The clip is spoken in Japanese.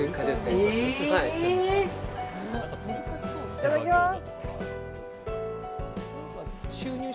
いただきます。